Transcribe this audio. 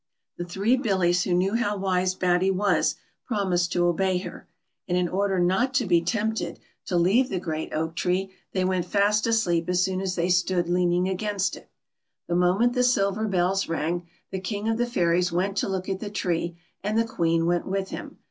The three Billies, who knew how wise Batty was, promised to obey her, and in order not to be tempted 2o6 BATTY to leave the great oak tree, they went fast asleep as soon as they stood leaning against it. The moment the silver bells rang, the King of the Fairies went to look at the tree, and the Queen went with him.